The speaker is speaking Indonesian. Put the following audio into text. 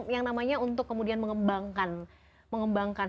yang namanya untuk kemudian mengembangkan